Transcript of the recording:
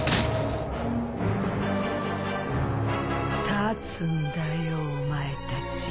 立つんだよお前たち。